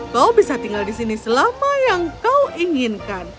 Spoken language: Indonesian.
kau bisa tinggal di sini selama yang kau inginkan